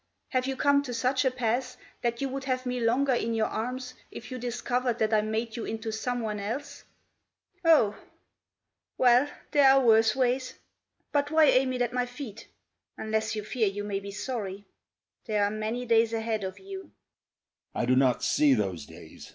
Have you come to such a pass That you would have me longer in your arms if you discovered That I made you into someone else. ... Oh! ... Well, there are worse ways. But why aim it at my feet unless you fear you may be sorry. ... There are many days ahead of you."